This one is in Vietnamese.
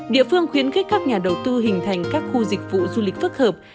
địa phương khuyến khích các nhà đầu tư hình thành các khu dịch vụ du lịch phức hợp